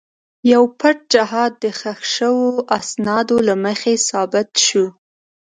یو پټ جهاد د ښخ شوو اسنادو له مخې ثابت شو.